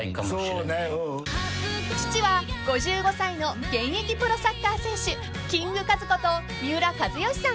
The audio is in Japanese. ［父は５５歳の現役プロサッカー選手キングカズこと三浦知良さん］